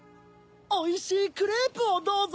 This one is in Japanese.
おいしいクレープをどうぞ！